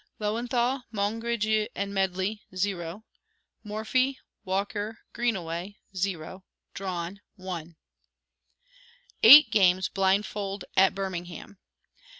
Löwenthal, Mongredieu, and Medley, 0. Morphy, Walker Greenaway, 0. Drawn, 1. EIGHT GAMES BLINDFOLD AT BIRMINGHAM.